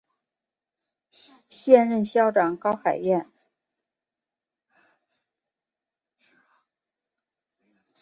现任校长高海燕。